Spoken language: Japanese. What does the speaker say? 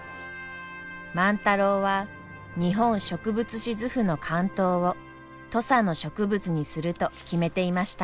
万太郎は「日本植物志図譜」の巻頭を土佐の植物にすると決めていました。